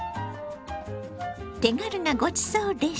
手軽なごちそうレシピ。